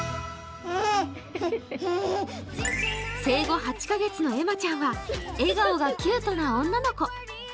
生後８カ月のえまちゃんは笑顔がキュートな女の子。